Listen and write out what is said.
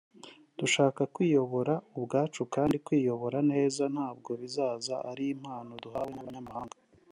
dushaka kwiyobora ubwacu kandi kwiyobora neza ntabwo bizaza ari impano duhawe n’abanyamahanga